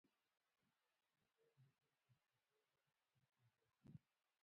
افغانستان کې ګاز د خلکو د خوښې وړ ځای دی.